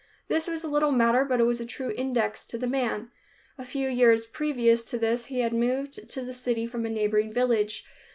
This was a little matter, but it was a true index to the man. A few years previous to this he had moved to the city from a neighboring village.